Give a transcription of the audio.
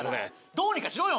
どうにかしろよ。